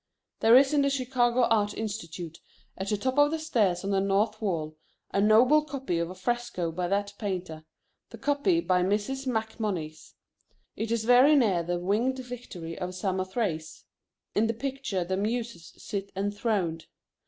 There is in the Chicago Art Institute at the top of the stairs on the north wall a noble copy of a fresco by that painter, the copy by Mrs. MacMonnies. It is very near the Winged Victory of Samothrace. In the picture the muses sit enthroned.